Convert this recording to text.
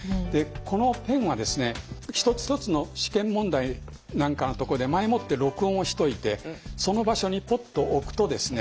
このペンはですね一つ一つの試験問題なんかのとこで前もって録音をしといてその場所にポッと置くとですね。